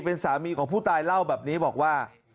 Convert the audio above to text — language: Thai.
เป็นสามีของผู้ตายเล่าแบบนี้บอกว่า